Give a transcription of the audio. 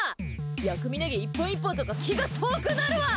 薬味ネギ１本１本とか気が遠くなるわ！